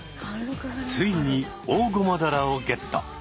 ついにオオゴマダラをゲット。